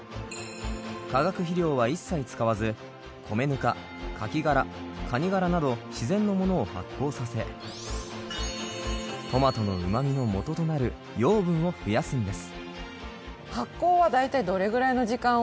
化学肥料は一切使わず米ぬかカキ殻カニ殻など自然のものを発酵させトマトの旨味のもととなる養分を増やすんです。